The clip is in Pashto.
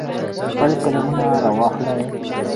خپل قلمونه را واخلئ.